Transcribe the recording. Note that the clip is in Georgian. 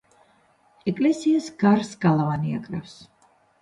ეკლესიას გარს გალავანი აკრავს.